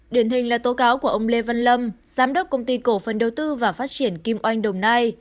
điển hình là tố cáo của ông lê văn lâm giám đốc công ty cổ phần đầu tư và phát triển kim oanh đồng nai